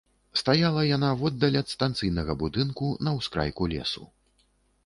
Стаяла яна воддаль ад станцыйнага будынку, на ўскрайку лесу.